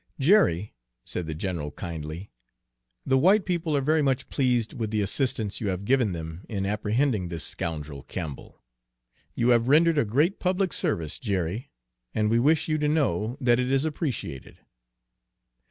"Jerry," said the general kindly, "the white people are very much pleased with the assistance you have given them in apprehending this scoundrel Campbell. You have rendered a great public service, Jerry, and we wish you to know that it is appreciated."